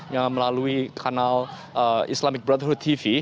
yang melalui kanal islamic broadroot tv